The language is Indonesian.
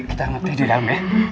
kita ngantri di dalam ya